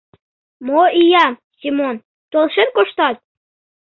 — Мо иям, Семон, толашен коштат?..